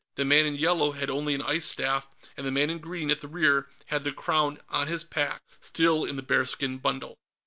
The man in yellow had only an ice staff, and the man in green, at the rear, had the Crown on his pack, still in the bearskin bundle.